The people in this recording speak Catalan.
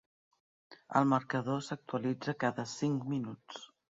El marcador s'actualitza cada cinc minuts.